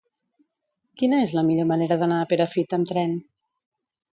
Quina és la millor manera d'anar a Perafita amb tren?